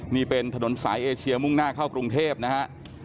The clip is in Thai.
นี่เป็นถนนสายเอเชียมุ่งหน้าเข้ากรุงเทพนะฮะ